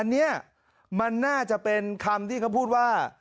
อันนี้มันน่าจะเป็นคำที่เขาพูดว่า